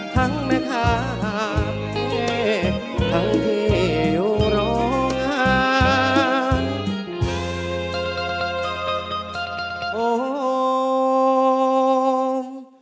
ทั้งแม่คาห่ามเกษทั้งที่อยู่โรงงาน